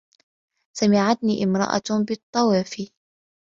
سَمِعَتْنِي امْرَأَةٌ بِالطَّوَافِ